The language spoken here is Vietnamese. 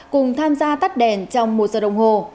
cùng tham gia tắt đèn trong một giờ đồng hồ